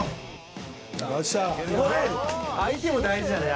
相手も大事だね